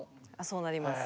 そうなります。